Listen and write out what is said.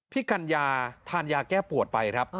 กัญญาทานยาแก้ปวดไปครับ